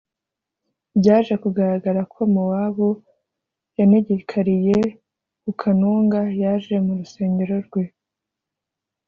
Byaje kugaragara ko mowabu yanegekariye ku kanunga yaje mu rusengero rwe